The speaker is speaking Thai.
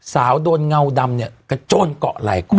สาวโดนเงาดำเนี่ยกระโจนเกาะไหล่คุณ